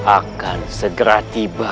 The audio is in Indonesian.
akan segera tiba